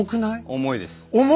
重いです。